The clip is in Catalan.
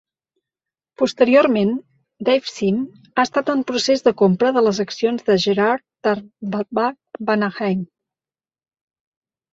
Posteriorment, Dave Sim ha estat en procés de compra de les accions de Gerhard d'Aardvark-Vanaheim.